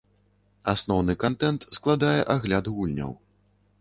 Асноўны кантэнт складае агляд гульняў.